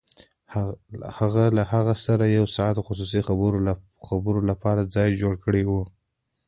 هغه له هغه سره د يو ساعته خصوصي خبرو لپاره ځای جوړ کړی و.